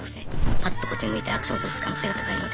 パッとこっち向いてアクション起こす可能性が高いので。